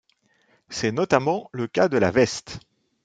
C'est notamment le cas de la veste.